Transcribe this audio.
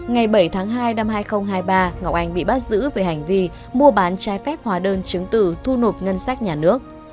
ngày bảy tháng hai năm hai nghìn hai mươi ba ngọc anh bị bắt giữ về hành vi mua bán trái phép hóa đơn chứng từ thu nộp ngân sách nhà nước